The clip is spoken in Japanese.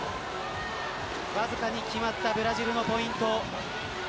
わずかに決まったブラジルのポイント。